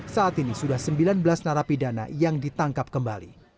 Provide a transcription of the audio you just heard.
saat ini sudah sembilan belas narapidana yang ditangkap kembali